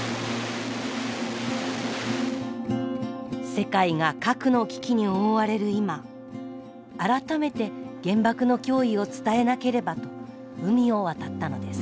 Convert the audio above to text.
世界が核の危機に覆われる今改めて原爆の脅威を伝えなければと海を渡ったのです。